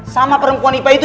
sama perempuan ipa itu